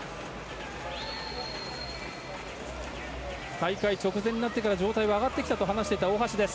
大会直前になってから状態が上がってきたと話していた大橋です。